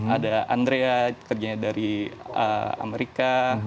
ada andrea kerjanya dari amerika